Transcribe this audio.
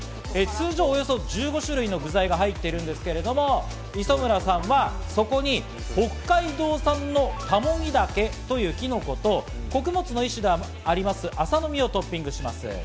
通常、およそ１５種類の具材が入っているんですが、磯村さんはそこに北海道産のたもぎ茸というきのこと、穀物の一種であります、麻の実をトッピングします。